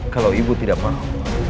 kalau ibu tidak mau